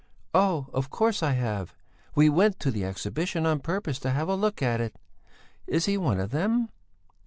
"Of course, I have! We went to the Exhibition on purpose to have a look at it. Is he one of them?"